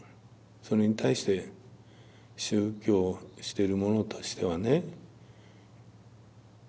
それに対して宗教をしてる者としてはね。